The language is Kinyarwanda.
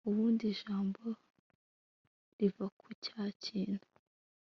ubundi ijambo riva kuri cya kintu